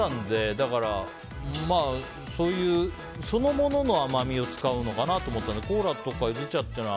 だから、そういうそのものの甘みを使うのかなと思ったのでコーラとかユズ茶って。